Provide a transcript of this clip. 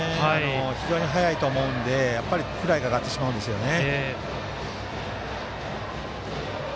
非常に速いと思うのでフライが上がってしまうんですね。